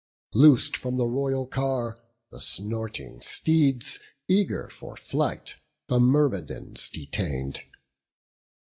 Loos'd from the royal car, the snorting steeds, Eager for flight, the Myrmidons detain'd.